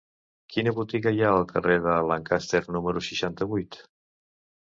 Quina botiga hi ha al carrer de Lancaster número seixanta-vuit?